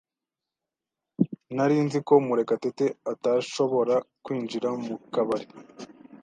Nari nzi ko Murekatete atazashobora kwinjira mukabari.